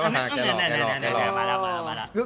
มาแล้ว